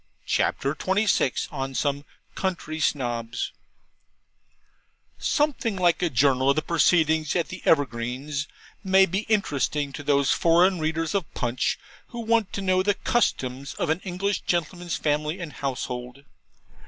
CHAPTER XXVI ON SOME COUNTRY SNOBS Something like a journal of the proceedings at the Evergreens may be interesting to those foreign readers of PUNCH who want to know the customs of an English gentleman's family and household.